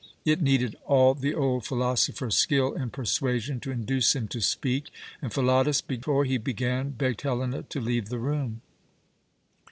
It needed all the old philosopher's skill in persuasion to induce him to speak, and Philotas, before he began, begged Helena to leave the room.